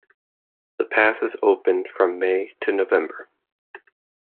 The pass is open from May to November.